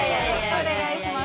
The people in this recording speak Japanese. お願いします。